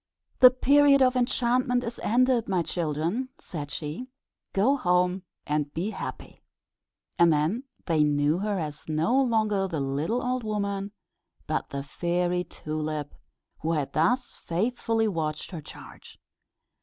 "The period of enchantment is ended, my children," said she. "Go home and be happy." And then they knew her as no longer the little old woman, but the Fairy Tulip, who had thus faithfully watched her charge.